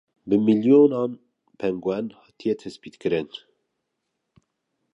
Bi milyona pengûen hatiye tespîtkirin.